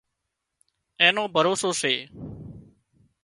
اين نو ڀروسو سي